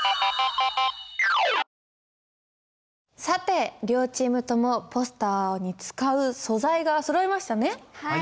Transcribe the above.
さて両チームともポスターに使う素材がそろいましたね。